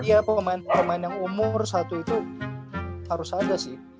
iya pemain pemain yang umur satu itu harus ada sih